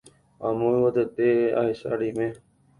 Amo yvatete ahecha reime